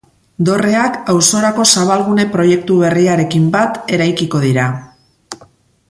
Dorreak auzorako zabalgune proiektu berriarekin bat eraikiko dira.